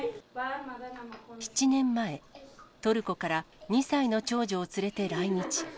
７年前、トルコから２歳の長女を連れて来日。